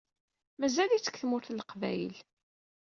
Mazal-itt deg Tmurt n Leqbayel.